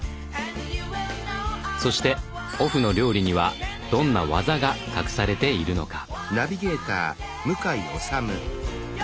そしてオフの料理にはどんな技が隠されているのか？